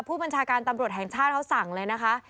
ผู้บัญชาการตำรวจแห่งชาติเขาสั่งเลยนะคะ